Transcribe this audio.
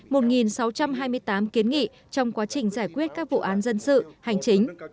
một sáu trăm hai mươi tám kiến nghị trong quá trình giải quyết các vụ án dân sự hành chính